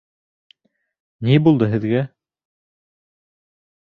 Ни булды һеҙгә?